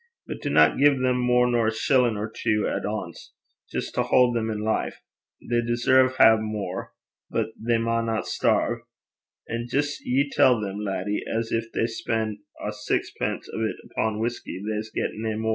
But dinna gie them mair nor a shillin' or twa at ance jist to haud them in life. They deserve nae mair. But they maunna sterve. And jist ye tell them, laddie, at gin they spen' ae saxpence o' 't upo' whusky, they s' get nae mair.'